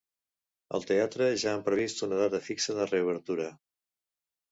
Al teatre ja han previst una data fixa de reobertura.